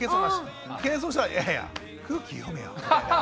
謙遜したら「いやいや空気読めよ」みたいな。